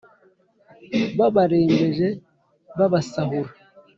Babarembeje babasahura